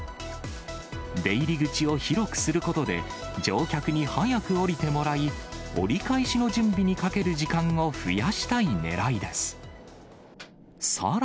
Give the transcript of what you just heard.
出入り口を広くすることで、乗客に早く降りてもらい、折り返しの準備にかける時間を増やしたいねらいです。